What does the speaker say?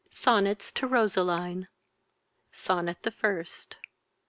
SONNETS TO ROSELINE. SONNET THE FIRST.